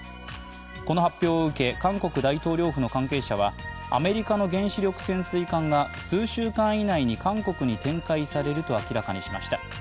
この発表を受け、韓国大統領府の関係者はアメリカの原子力潜水艦が数週間以内に韓国に展開されると明らかにしました。